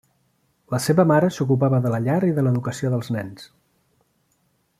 La seva mare s'ocupava de la llar i de l'educació dels nens.